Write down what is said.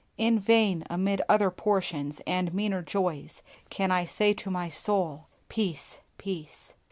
In vain amid other portions and meaner joys can I say to my soul "peace, peace."